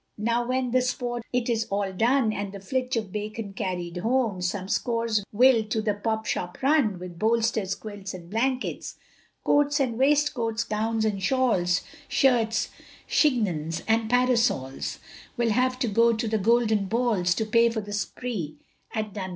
Now when the sport it is all done, And the flitch of bacon carried home, Some scores will to the pop shop run, With bolsters, quilts, and blankets; Coats and waistcoats, gowns and shawls, Shirts, chignons, and parasols, Will have to go to the golden balls, To pay for the spree at Dunmow.